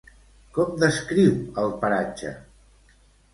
Com descriu el paratge?